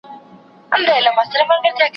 زه اوس د سبا لپاره د ليکلو تمرين کوم!؟